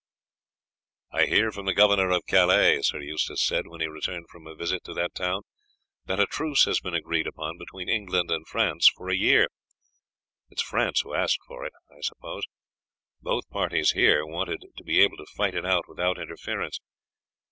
"I hear from the Governor of Calais," Sir Eustace said, when he returned from a visit to that town, "that a truce has been agreed upon between England and France for a year; it is France who asked for it, I suppose. Both parties here wanted to be able to fight it out without interference.